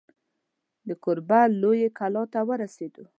د کوربه لویې کلا ته ورسېدو.